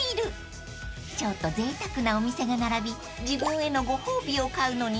［ちょっとぜいたくなお店が並び自分へのご褒美を買うのにぴったり］